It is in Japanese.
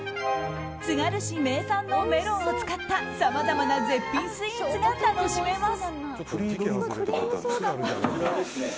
つがる市名産のメロンを使ったさまざまな絶品スイーツが楽しめます。